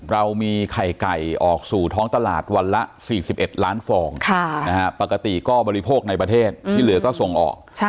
เรามีไข่ไก่ออกสู่ท้องตลาดวันละ๔๑ล้านฟองปกติก็บริโภคในประเทศที่เหลือก็ส่งออก